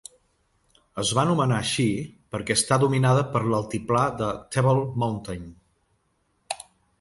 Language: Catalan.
Es va anomenar així perquè està dominada per l'altiplà de Table Mountain.